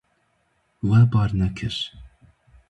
We bar nekir.